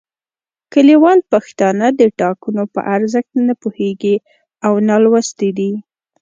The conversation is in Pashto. کلیوال پښتانه د ټاکنو په ارزښت نه پوهیږي او نالوستي دي